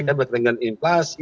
danaikan berkaitan dengan inflasi